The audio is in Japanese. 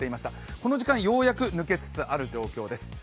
この時間ようやく抜けつつあるような状況です。